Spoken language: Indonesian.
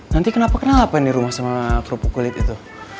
nanti kenapa kenapa di rumah sama kerupuk kulit itu